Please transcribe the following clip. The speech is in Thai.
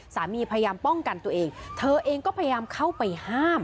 พยายามป้องกันตัวเองเธอเองก็พยายามเข้าไปห้าม